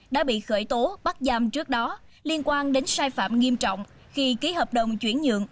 đã bị khởi tố bắt giam trước đó liên quan đến sai phạm nghiêm trọng khi ký hợp đồng chuyển nhượng